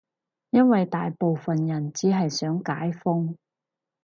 因爲大部分人只係想解封